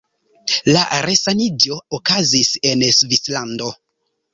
La resaniĝo okazis en Svislando.